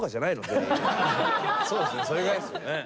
全員そうですねそれぐらいですよね